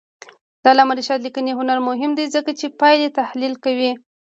د علامه رشاد لیکنی هنر مهم دی ځکه چې پایلې تحلیل کوي.